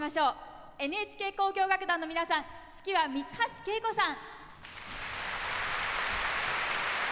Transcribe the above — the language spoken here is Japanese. ＮＨＫ交響楽団の皆さん指揮は三ツ橋敬子さん。